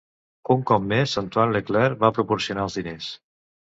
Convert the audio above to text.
Un cop més, Antoine LeClaire va proporcionar els diners.